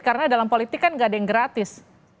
karena dalam politik kan gak ada yang gratis